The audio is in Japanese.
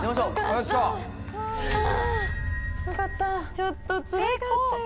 ちょっとつらかったよ。